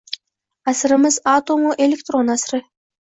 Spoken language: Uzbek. Asrimiz atomu elektron asri